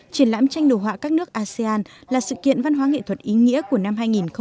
triển lãm tranh đồ họa các nước asean là sự kiện văn hóa nghệ thuật ý nghĩa của năm hai nghìn hai mươi